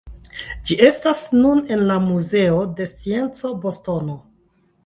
Ĝi estas nun en la muzeo de scienco, Bostono.